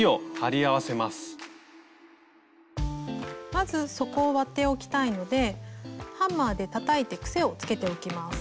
まず底を割っておきたいのでハンマーでたたいてクセをつけておきます。